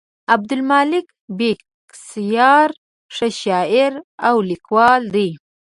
عبدالمالک بېکسیار ښه شاعر او لیکوال دی.